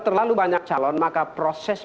terlalu banyak calon maka proses